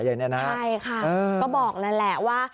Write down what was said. ใช่ค่ะก็บอกแล้วแหละว่า